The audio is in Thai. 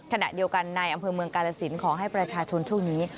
ขณะเดียวกันในอำเภอเมืองกาลสินขอให้ประชาชนช่วงนี้